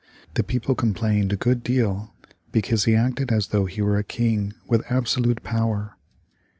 The people complained a good deal because he acted as though he were a king with absolute power.